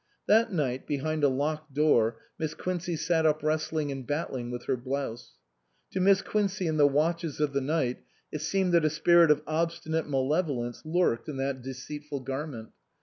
That night, behind a locked door, Miss Quincey sat up wrestling and battling with her blouse. To Miss Quincey in the watches of the night it seemed that a spirit of obstinate malevolence lurked in that deceitful garment.